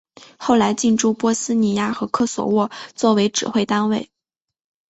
后来进驻波斯尼亚和科索沃作为指挥单位。